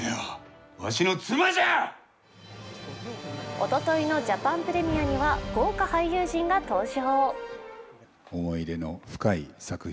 おとといのジャパンプレミアには豪華俳優陣が登場。